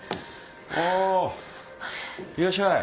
あぁいらっしゃい。